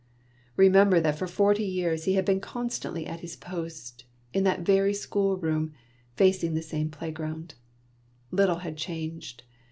Remember that for forty years he had been constantly at his post, in that very school room, fn''^''"g t^r ??"^^^ p^ >yg«^»«'yri Little had changed.